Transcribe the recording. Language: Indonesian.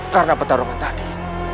karena pertarungan tadi